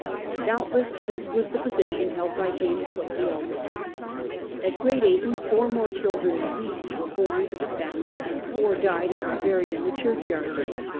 Doubtless this was the position held by James Cook the elder. At Great Ayton four more children at least were bom to the family, and four died and are buried in the churchyard.